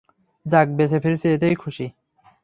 যাক, বেঁচে ফিরেছ এতেই খুশি।